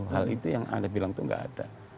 hal itu yang anda bilang itu nggak ada